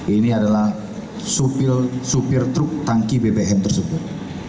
ini adalah supir truk tangki bbm tersebut